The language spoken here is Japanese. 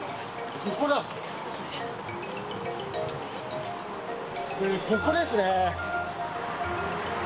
ここですね。